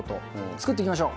作っていきましょう。